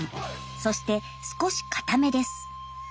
そして少しかためです。